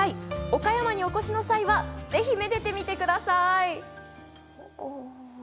岡山にお越しの際はぜひ、めでてみてください。